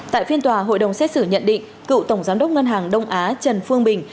tại phiên tòa hội đồng xét xử nhận định cựu tổng giám đốc ngân hàng đông á trần phương bình